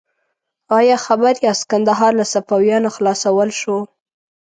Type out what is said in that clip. ایا خبر یاست کندهار له صفویانو خلاصول شو؟